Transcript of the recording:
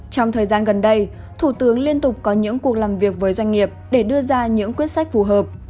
trong thời gian gần đây thủ tướng liên tục có những cuộc làm việc với doanh nghiệp để đưa ra những quyết sách phù hợp